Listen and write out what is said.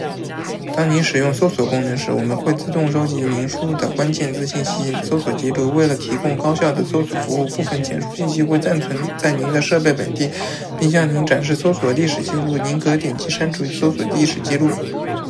当您使用搜索功能时，我们会自动收集您输入的关键字信息、搜索记录。为了提供高效的搜索服务，部分前述信息会暂存在您的设备本地，并向您展示搜索历史记录，您可点击删除搜索历史记录。